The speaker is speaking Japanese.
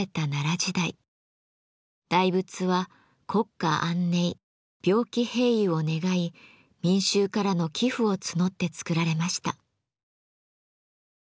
大仏は国家安寧病気平癒を願い民衆からの寄付を募って造られました。